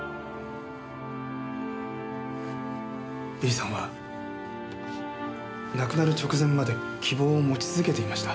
絵里さんは亡くなる直前まで希望を持ち続けていました。